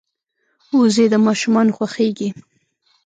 وزې د ماشومانو خوښېږي